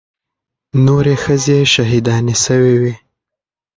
نورې ښځې شهيدانې سوې وې.